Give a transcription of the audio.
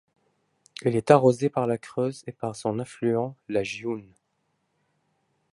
Elle est arrosée par la Creuse et par son affluent la Gioune.